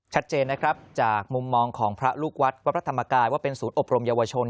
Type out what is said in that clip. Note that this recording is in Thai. ชัดเจนนะครับจากมุมมองของพระลูกวัดวัดพระธรรมกายว่าเป็นศูนย์อบรมเยาวชน